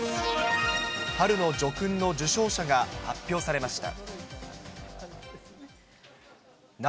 春の叙勲の受章者が発表されました。